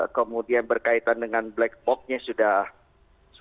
kemudian berkaitan dengan black box nya sudah tahu